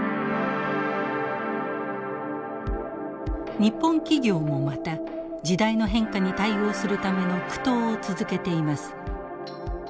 日本企業もまた時代の変化に対応するための苦闘を続けています。